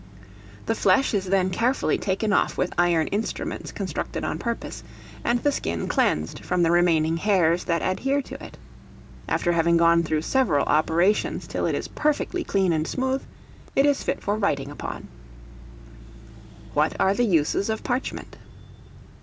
The flesh is then carefully taken off with iron instruments constructed on purpose, and the skin cleansed from the remaining hairs that adhere to it. After having gone through several operations till it is perfectly clean and smooth, it is fit for writing upon. [Footnote 4: See Chapter XVI., article Lime.] What are the uses of Parchment?